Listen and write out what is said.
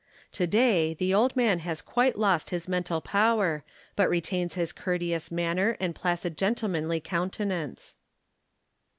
To day, the old man has quite lost his mental power but retains his courteous manner and placid gentlemanly countenance.